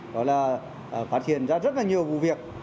đó là phát triển ra rất nhiều vụ việc